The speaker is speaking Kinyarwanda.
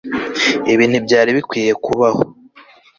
Ibi ntibyari bikwiye kubaho